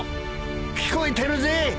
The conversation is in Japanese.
聞こえてるぜ？